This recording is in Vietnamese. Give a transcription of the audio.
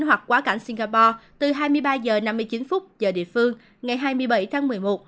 hoặc quá cảnh singapore từ hai mươi ba h năm mươi chín giờ địa phương ngày hai mươi bảy tháng một mươi một